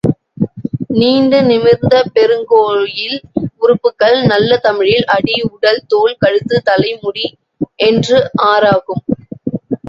நீண்டு நிமிர்ந்த பெருங்கோயில் உறுப்புகள் நல்ல தமிழில், அடி, உடல், தோள், கழுத்து, தலை, முடி என்று ஆறாகும்.